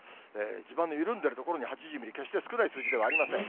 地盤の緩んでいるところに８０ミリ、けっして少ない数字ではありません。